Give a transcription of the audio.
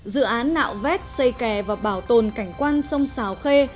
dự án nạo vét xây kè và bảo tồn cảnh quan sông xào khê